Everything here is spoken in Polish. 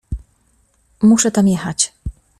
Muszę tam jechać.